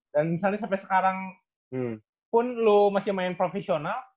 dan misalnya sampe sekarang pun lu masih main profesional